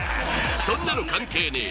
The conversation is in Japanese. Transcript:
そんなの関係ねぇ！